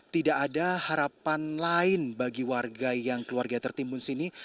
tidak ada harapan lain bagi warga yang keluarga tertimbun sini